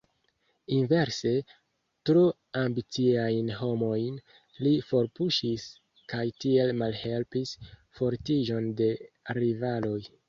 Inverse, tro ambiciajn homojn li forpuŝis kaj tiel malhelpis fortiĝon de rivaloj.